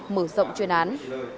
mở rộng chuyên án